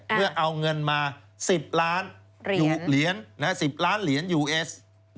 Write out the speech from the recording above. เมื่อเอาเงินมา๑๐ล้านเหรียญยูเอส